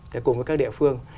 để cùng với các địa phương